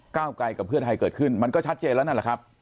ไกลกับเพื่อไทยเกิดขึ้นมันก็ชัดเจนแล้วนั่นแหละครับ